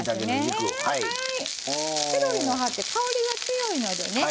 セロリの葉って香りが強いのでね